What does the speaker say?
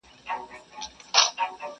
حوري او ښایسته غلمان ګوره چي لا څه کیږي؛